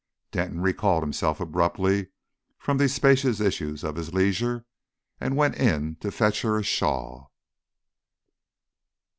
Denton recalled himself abruptly from these spacious issues of his leisure, and went in to fetch her a shawl.